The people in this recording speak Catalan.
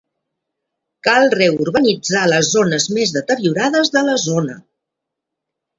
Cal reurbanitzar les zones més deteriorades de la zona.